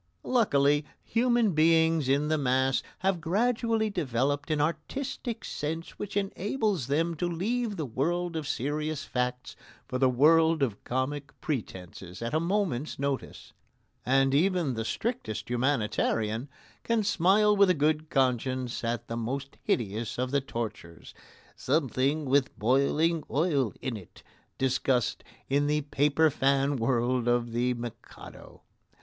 Luckily, human beings in the mass have gradually developed an artistic sense which enables them to leave the world of serious facts for the world of comic pretences at a moment's notice. And even the strictest humanitarian can smile with a good conscience at the most hideous of the tortures "something with boiling oil in it" discussed in the paper fan world of The Mikado.